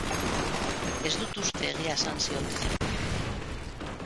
Ez dut uste egia esan ziotenik.